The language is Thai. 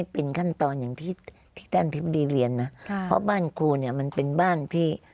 เพราะบ้านครูเนี่ยมันเป็นบ้านที่